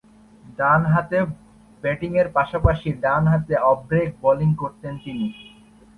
ডানহাতে ব্যাটিংয়ের পাশাপাশি ডানহাতে অফ ব্রেক বোলিং করতেন তিনি।